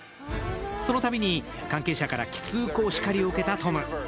そのたびに関係者からきつーくお叱りを受けたトム。